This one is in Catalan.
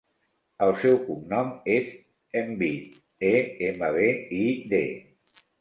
El seu cognom és Embid: e, ema, be, i, de.